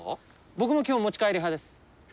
僕も基本持ち帰り派です。